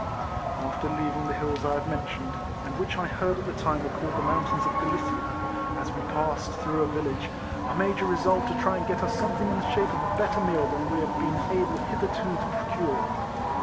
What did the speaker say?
After leaving the hills I have mentioned, and which I heard at the time were called the Mountains of Galicia, as we passed through a village, our Major resolved to try and get us something in the shape of a better meal than we had been able hitherto to procure.